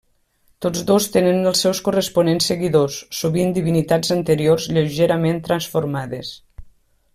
Tots dos tenen els seus corresponents seguidors, sovint divinitats anteriors lleugerament transformades.